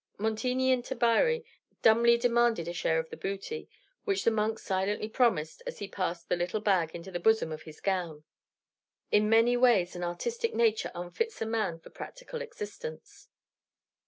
Montigny and Tabary dumbly demanded a share of the booty, which the monk silently promised as he passed the little bag into the bosom of his gown. In many ways an artistic nature unfits a man for practical existence.